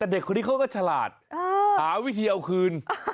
แต่เด็กคนนี้เขาก็ฉลาดหาวิธีเอาคืน